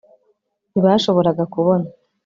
Ntibashoboraga kubona